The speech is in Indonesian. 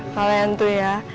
kalian tuh ya